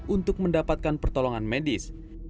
untuk mendapatkan pertolongan medis